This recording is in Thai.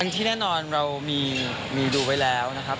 ที่แน่นอนเรามีดูไว้แล้วนะครับ